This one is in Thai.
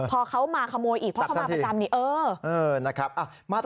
พอเขามาขโมยอีกเพราะเขามาประจำนี่เออนะครับ